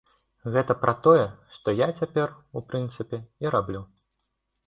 Гэта тое, што я цяпер, у прынцыпе, і раблю.